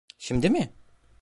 Şimdi mi?